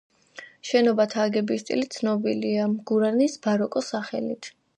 შენობათა აგების სტილი ცნობილია გუარანის ბაროკოს სახელით.